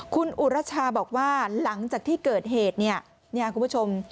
คุณอุรชาบอกว่าหลังจากที่เกิดเหตุเนี่ยคุณผู้ชม